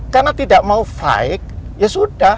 karena tidak mau fight ya sudah